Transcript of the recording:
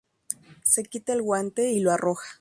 Se quita el guante y lo arroja.